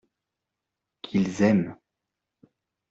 Qu’ils aiment.